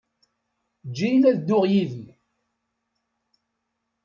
Eǧǧ-iyi ad dduɣ yid-m.